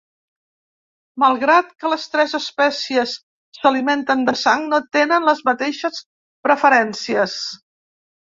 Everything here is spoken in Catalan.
Malgrat que les tres espècies s'alimenten de sang, no tenen les mateixes preferències.